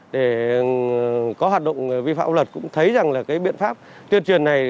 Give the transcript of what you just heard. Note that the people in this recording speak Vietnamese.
để có hoạt động vi phạm pháp luật cũng thấy rằng biện pháp tuyên truyền này